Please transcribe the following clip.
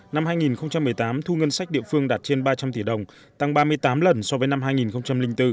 năm hai nghìn một mươi tám thu ngân sách địa phương đạt trên ba trăm linh tỷ đồng tăng ba mươi tám lần so với năm hai nghìn bốn